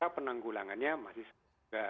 penanggulangannya masih sama